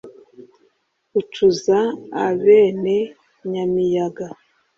ucuza abene nyamiyaga.